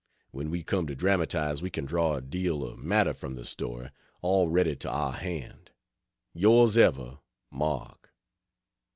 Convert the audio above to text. When we came to dramatize, we can draw a deal of matter from the story, all ready to our hand. Yrs Ever MARK.